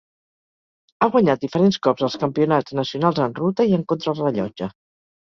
Ha guanyat diferents cops els campionats nacionals en ruta i en contrarellotge.